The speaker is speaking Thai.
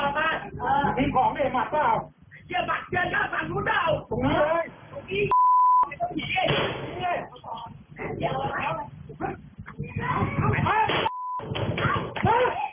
นั่นแหละครับนั่นแหละครับ